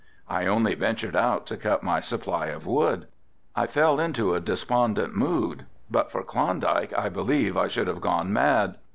I only ventured out to cut my supply of wood. I fell into a despondent mood, but for Klondike I believe that I should have gone mad.